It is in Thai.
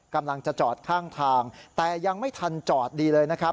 กำลังจะจอดข้างทางแต่ยังไม่ทันจอดดีเลยนะครับ